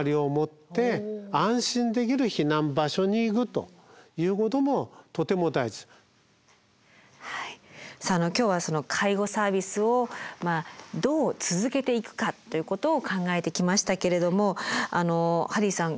そういうことを考えるとやっぱりさあ今日は介護サービスをどう続けていくかっていうことを考えてきましたけれどもハリーさん